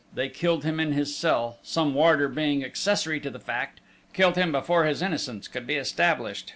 They killed him in his cell, some warder being accessory to the fact killed him before his innocence could be established!